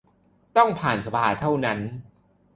ต้องผ่านสภาเท่านั้น